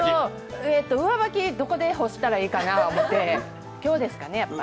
上履き、どこで干したらいいかなと思うて、今日ですかね。